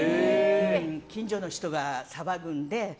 近所の人が騒ぐので。